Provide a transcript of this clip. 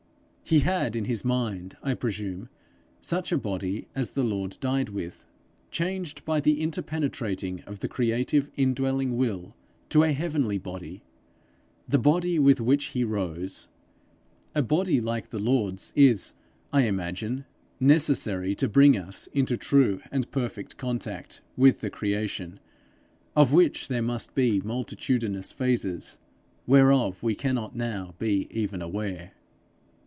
He had in his mind, I presume, such a body as the Lord died with, changed by the interpenetrating of the creative indwelling will, to a heavenly body, the body with which he rose. A body like the Lord's is, I imagine, necessary to bring us into true and perfect contact with the creation, of which there must be multitudinous phases whereof we cannot now be even aware.